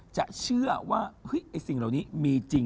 จะเชื่อว่าเฮ้ยไอ้สิ่งเหล่านี้มีจริง